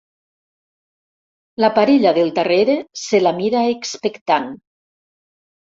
La parella del darrere se la mira expectant.